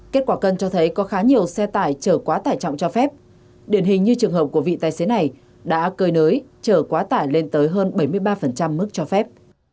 kết quả cân cho thấy có khá nhiều xe tải chở quá tải trọng cho phép điển hình như trường hợp của vị tài xế này đã cơi nới chở quá tải lên tới hơn bảy mươi ba mức cho phép